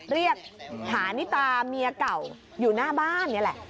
เรียกหานิตาเมียเก่าอยู่หน้าบ้านนี่แหละ